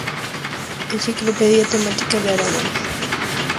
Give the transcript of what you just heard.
Enciclopedia temática de Aragón.